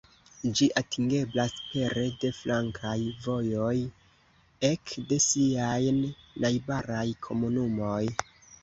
Ĝi atingeblas pere de flankaj vojoj ek de siajn najbaraj komunumoj.